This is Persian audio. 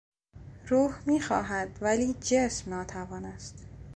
روح میخواهد ولی جسم ناتوان است.